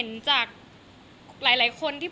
สวัสดีครับ